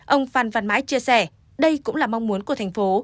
ông phan văn mãi chia sẻ đây cũng là mong muốn của thành phố